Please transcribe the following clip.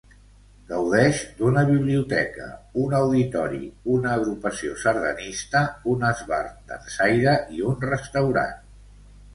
Gaudeix d'una biblioteca, un auditori, una agrupació sardanista, un esbart dansaire i un restaurant.